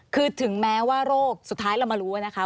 คือถึงแม้ว่าโรคสุดท้ายเรามารู้นะคะ